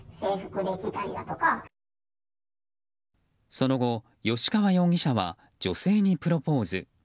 その後、吉川容疑者は女性にプロポーズ。